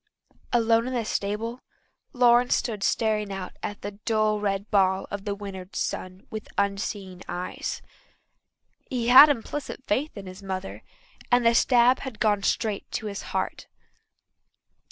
Alone in the stable Lawrence stood staring out at the dull red ball of the winter sun with unseeing eyes. He had implicit faith in his mother, and the stab had gone straight to his heart.